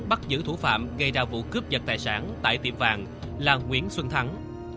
bắt giữ thủ phạm gây ra vụ cướp giật tài sản tại tiệm vàng là nguyễn xuân thắng